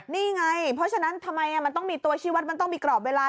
นี่ไงเพราะฉะนั้นทำไมมันต้องมีตัวชีวัตรมันต้องมีกรอบเวลา